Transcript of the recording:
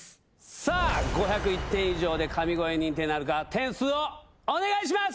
さあ、５０１点以上で神声認定なるか、点数をお願いします！